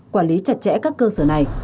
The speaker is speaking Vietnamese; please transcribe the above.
quản lý chặt chẽ các cơ sở này